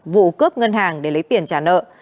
vụ cướp ngân hàng để lấy tiền trả nợ